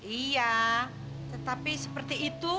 iya tetapi seperti itu